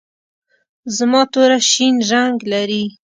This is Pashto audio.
زما توره شین رنګ لري.